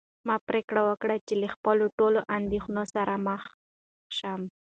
ما پرېکړه وکړه چې له خپلو ټولو اندېښنو سره مخ شم.